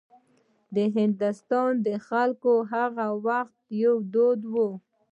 د هندوستان د خلکو هغه وخت یو دود و.